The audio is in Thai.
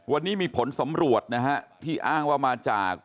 วันนี้มีผลสำรวจนะฮะที่อ้างว่ามาจาก